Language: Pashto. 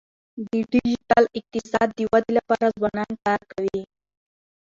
د ډیجیټل اقتصاد د ودي لپاره ځوانان کار کوي.